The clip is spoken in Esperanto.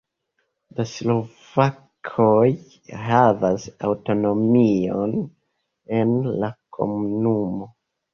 La slovakoj havas aŭtonomion en la komunumo.